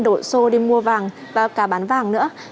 đổi xô đi mua vàng và cả bán vàng nữa